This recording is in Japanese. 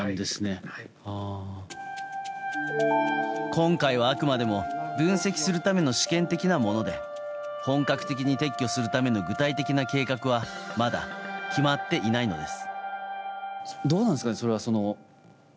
今回はあくまでも分析するための試験的なもので本格的に撤去するための具体的な計画はまだ決まっていないのです。